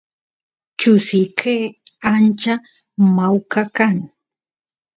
chusiyke ancha mawka kan